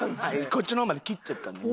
こっちの方まで切っちゃったんで。